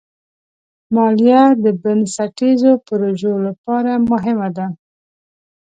مالیه د بنسټیزو پروژو لپاره مهمه ده.